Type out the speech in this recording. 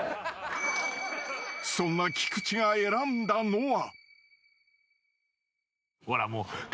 ［そんな菊地が選んだのは］